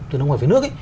từ nước ngoài về nước